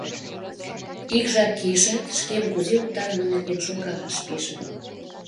Ик жап кийышат, шкем кузе утарыме нерген шонкалаш пиже.